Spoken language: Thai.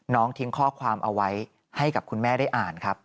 ทิ้งข้อความเอาไว้ให้กับคุณแม่ได้อ่านครับ